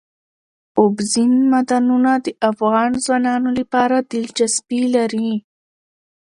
اوبزین معدنونه د افغان ځوانانو لپاره دلچسپي لري.